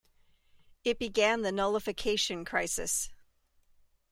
It began the Nullification Crisis.